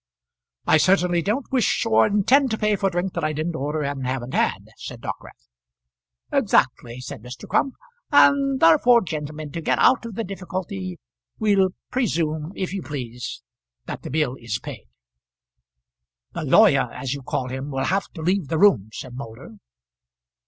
"I certainly don't wish or intend to pay for drink that I didn't order and haven't had," said Dockwrath. "Exactly," said Mr. Crump. "And therefore, gentlemen, to get out of the difficulty, we'll presume, if you please, that the bill is paid." "The lawyer, as you call him, will have to leave the room," said Moulder.